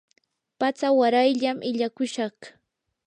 patsa warayllam illakushaq.